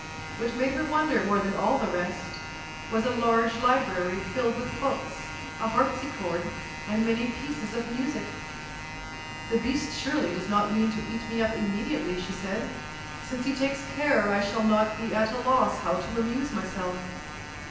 What made her wonder more than all the rest, was a large library filled with books, a harpsichord, and many pieces of music. "The beast surely does not mean to eat me up immediately," said she, "since he takes care I shall not be at a loss how to amuse myself."